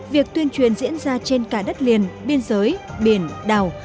việc tuyên truyền diễn ra trên cả đất liền biên giới biển đảo